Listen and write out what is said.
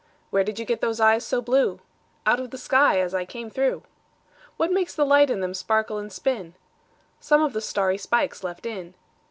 Where did you get those eyes so blue? Out of the sky as I came through. What makes the light in them sparkle and spin? Some of the starry spikes left in.